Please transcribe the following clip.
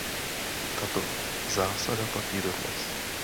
Tato zásada platí dodnes.